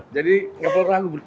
jadi tidak perlu ragu